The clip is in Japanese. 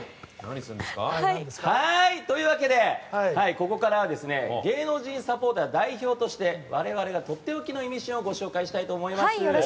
ここからは芸能人サポーター代表として我々がとっておきのイミシンを紹介したいと思います。